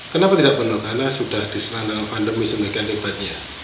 kenapa tidak penuh karena sudah diselanjang pandemi sebegian hebatnya